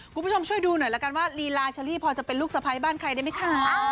คุณผู้ชมช่วยดูหน่อยละกันว่าลีลาเชอรี่พอจะเป็นลูกสะพ้ายบ้านใครได้ไหมคะ